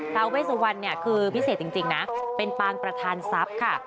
เท้าเวสวรรค์คือพิเศษจริงนะเป็นปางประทานทรัพย์ค่ะ